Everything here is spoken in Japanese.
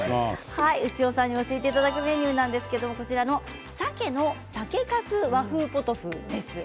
牛尾さんに教えていただくメニューですがさけの酒かす和風ポトフです。